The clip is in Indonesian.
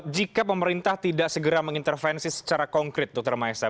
jika pemerintah tidak segera mengintervensi secara konkret dr maesa